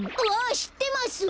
しってます！